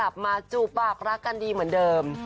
กลับมาจูบปากรักกันดีเหมือนเดิม